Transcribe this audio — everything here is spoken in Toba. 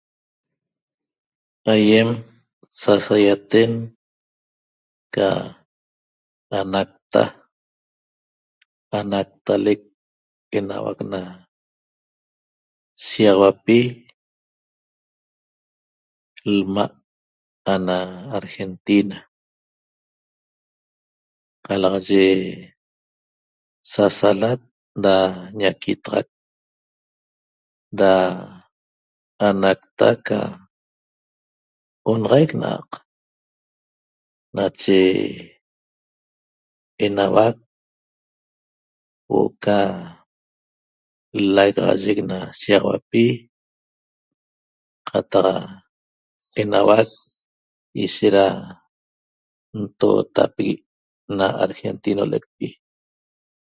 Aiem sasaiaten ca anaqta anaqtalec enauac na shigaxauapi lma' ana Argentina qalaxaye sasalat na ñaquitaxac da anaqta onaxaic na'aq nache enauac huo'o ca l-lagaxayec shigaxauapi qataq enauac ishet ra ntotapigui' na Argentina le'ecpi